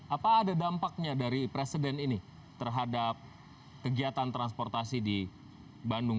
apa ada dampaknya dari presiden ini terhadap kegiatan transportasi di bandung